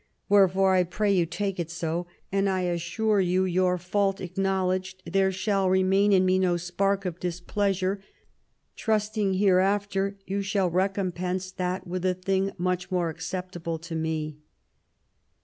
Wherefore, I pray you, take it so; and I assure you, your fault acknowledged, there shall remain in me no spark of dis pleasure; trusting hereafter you shall recompense that with a thing much more acceptable to me."